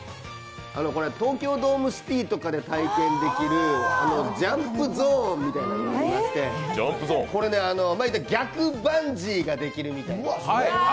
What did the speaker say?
東京ドームシティとかで体験できるジャンプゾーンみたいのがありまして逆バンジーができるみたいな。